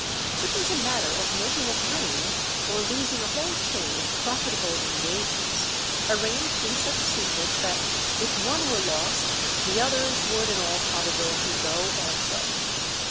It was a matter of making a train or losing a whole chain of profitable engagements, arranged in such sequence that if one were lost the others would in all probability go also.